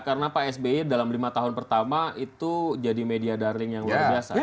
karena pak s b dalam lima tahun pertama itu jadi media darling yang luar biasa